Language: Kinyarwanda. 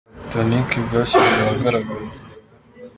Ubwato bwa Titanic bwashyizwe ahagaragara.